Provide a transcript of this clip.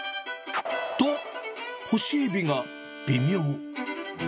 と、干しエビが微妙。